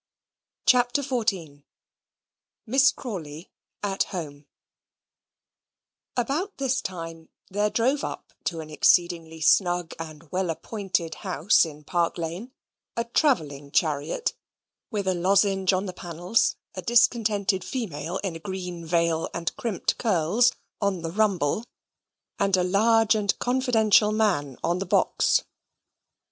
CHAPTER XIV Miss Crawley at Home About this time there drove up to an exceedingly snug and well appointed house in Park Lane, a travelling chariot with a lozenge on the panels, a discontented female in a green veil and crimped curls on the rumble, and a large and confidential man on the box.